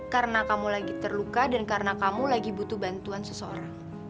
karena kamu lagi terluka dan karena kamu lagi butuh bantuan seseorang